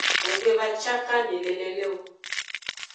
Nggbevacakami le lele o.